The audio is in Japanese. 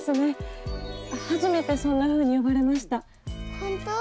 ・本当？